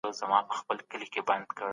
ژبه ودې امکانات لري.